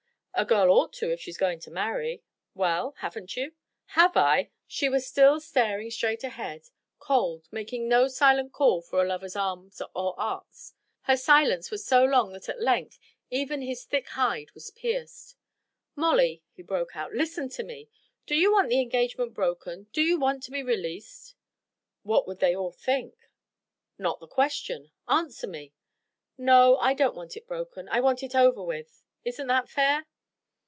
"A girl ought to if she's going to marry." "Well, haven't you?" "Have I?" She still was staring straight ahead, cold, making no silent call for a lover's arms or arts. Her silence was so long that at length even his thick hide was pierced. "Molly!" he broke out. "Listen to me! Do you want the engagement broken? Do you want to be released?" "What would they all think?" "Not the question. Answer me!" "No, I don't want it broken. I want it over with. Isn't that fair?"